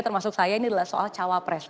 termasuk saya ini adalah soal cawapres